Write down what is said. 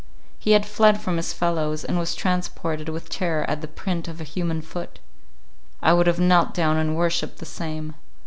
He had fled from his fellows, and was transported with terror at the print of a human foot. I would have knelt down and worshipped the same.